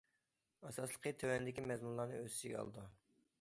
ئاساسلىقى تۆۋەندىكى مەزمۇنلارنى ئۆز ئىچىگە ئالىدۇ.